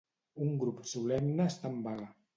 Un grup solemne està en vaga.